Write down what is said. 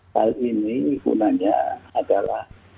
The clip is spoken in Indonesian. hal ini gunanya adalah